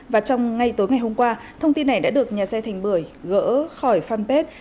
và trong ngay tối ngày hôm qua thông tin này đã được nhà xe thành bưởi gỡ khỏi fanpage